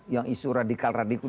yang isu radikal radikul